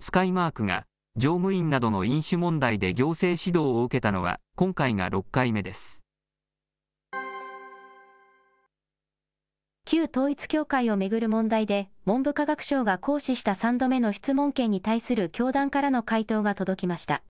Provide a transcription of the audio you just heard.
スカイマークが、乗務員などの飲酒問題で行政指導を受けたのは今旧統一教会を巡る問題で、文部科学省が行使した３度目の質問権に対する教団からの回答が届きました。